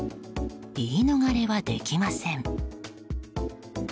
言い逃れはできません。